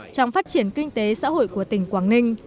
trong phát triển kinh tế xã hội của tỉnh quảng ninh